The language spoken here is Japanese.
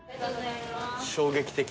衝撃的。